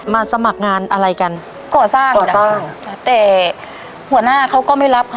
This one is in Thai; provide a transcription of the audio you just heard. สมัครงานอะไรกันก่อสร้างจ้ะแต่หัวหน้าเขาก็ไม่รับค่ะ